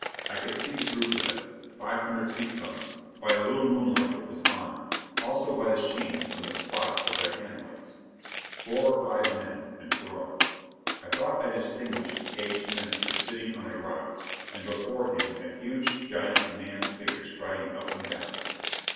I could see the group of them, five hundred feet from me, by a little moonlight that was on them; also by the sheen from the spots of their hand lights. Four or five men, and Perona. I thought I distinguished the aged Minister sitting on a rock, and before him a huge giant man's figure striding up and down.